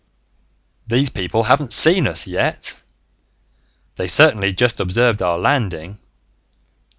"These people haven't seen us yet. They certainly just observed our landing.